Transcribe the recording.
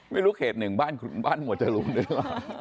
ไม่รู้เหตุหนึ่งบ้านหมวดจรุนหรือเปล่า